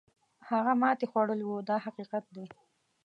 هغه ماتې خوړل وو دا حقیقت دی.